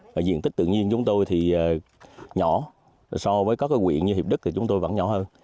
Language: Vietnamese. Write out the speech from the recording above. và diện tích tự nhiên chúng tôi thì nhỏ so với các quyện như hiệp đức thì chúng tôi vẫn nhỏ hơn